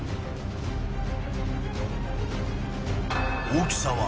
［大きさは］